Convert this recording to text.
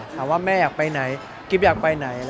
ถามว่าแม่อยากไปไหน